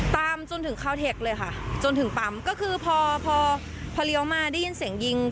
ตามจนถึงคาวเทคเลยค่ะจนถึงปั๊มก็คือพอพอพอเลี้ยวมาได้ยินเสียงยิง